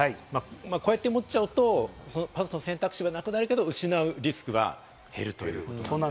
こうやって持っちゃうとパスの選択肢がなくなるけど、失うリスクは減るということですね。